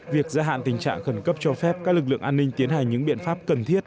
việc gia hạn tình trạng khẩn cấp cho phép các lực lượng an ninh tiến hành những biện pháp cần thiết